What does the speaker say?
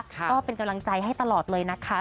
ก็เป็นกำลังใจให้ตลอดเลยนะคะ